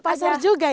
ke pasar juga ya